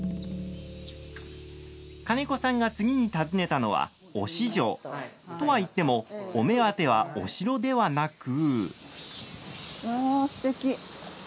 金子さんが次に訪ねたのは忍城。とはいってもお目当てはお城ではなく。